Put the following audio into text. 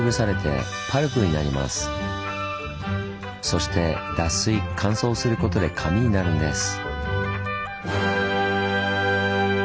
そして脱水・乾燥することで紙になるんです。